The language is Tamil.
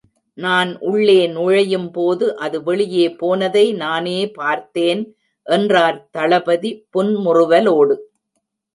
நான் உள்ளே நுழையும் போது அது வெளியே போனதை நானே பார்த்தேன் என்றார் தளபதி புன்முறுவலோடு.